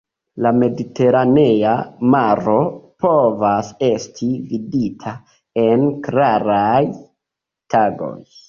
La Mediteranea Maro povas esti vidita en klaraj tagoj.